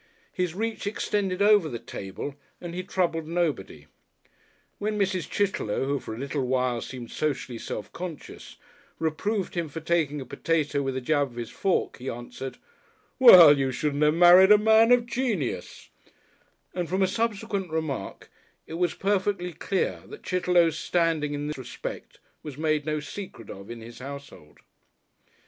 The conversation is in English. His reach extended over the table, and he troubled nobody. When Mrs. Chitterlow, who for a little while seemed socially self conscious, reproved him for taking a potato with a jab of his fork, he answered, "Well, you shouldn't have married a man of Genius," and from a subsequent remark it was perfectly clear that Chitterlow's standing in this respect was made no secret of in his household.